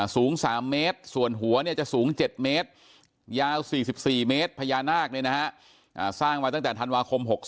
สูง๓เมตรส่วนหัวจะสูง๗เมตรยาว๔๔เมตรพญานาคสร้างมาตั้งแต่ธันวาคม๖๓